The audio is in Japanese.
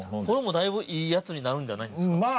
これもだいぶいいやつになるんじゃないですか？